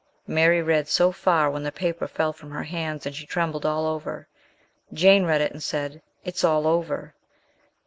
Mary read so far when the paper fell from her hands and she trembled all over. Jane read it, and said, "It is all over."